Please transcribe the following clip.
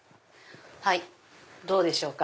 はいどうでしょうか？